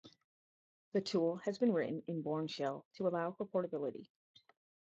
The tool has been written in Bourne shell, to allow for portability.